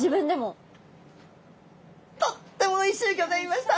とってもおいしゅうギョざいました！